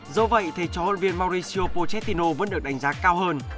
dẫu vậy thầy cho huấn luyện viên mauricio pochettino vẫn được đánh giá cao hơn